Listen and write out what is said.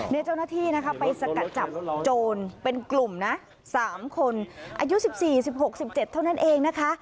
เนี่ยเจ้าหน้าที่นะคะไปสกัดจับโจรเป็นกลุ่มนะสามคนอายุสิบสี่สิบหกสิบเจ็ดเท่านั้นเองนะคะ